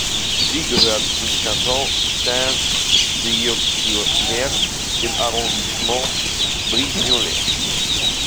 Sie gehört zum Kanton Saint-Cyr-sur-Mer im Arrondissement Brignoles.